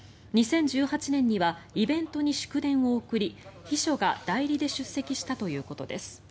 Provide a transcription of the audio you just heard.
２０１８年にはイベントに祝電を送り秘書が代理で出席したということです。